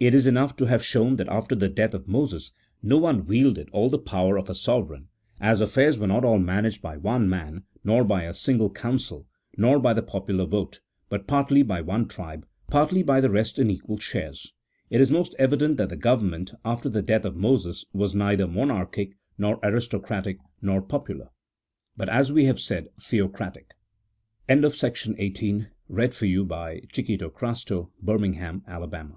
It is enough to have shown that after the death of Moses no one man wielded all the power of a sovereign ; as affairs were not all managed by one man, nor by a single council, nor by the popular vote, but partly by one tribe, partly by the rest in equal shares, it is most evident that the government, after the death of Moses, was neither monarchic, nor aristocratic, nor popular, Q 226 A TIIEOLOGICO POLITICAL TREATISE. [CHAP. XVII. but, as we have said, Theocratic. The reasons for a